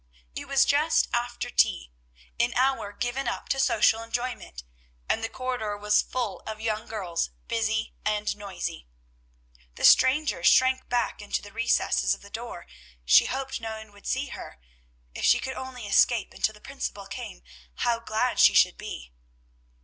It was just after tea, an hour given up to social enjoyment, and the corridor was full of young girls, busy and noisy. The stranger shrank back into the recess of the door; she hoped no one would see her: if she could only escape until the principal came, how glad she should be!